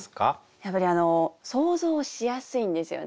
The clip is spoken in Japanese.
やっぱり想像しやすいんですよね。